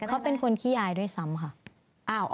เขาเป็นคนขี้อายด้วยซ้ำค่ะ